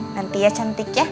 nanti ya cantik ya